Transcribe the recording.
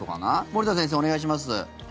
森田先生、お願いします。